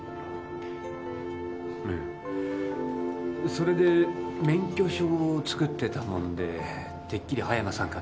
それで免許証を作ってたもんでてっきり葉山さんかと。